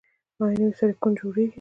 آیا نوي سرکونه جوړیږي؟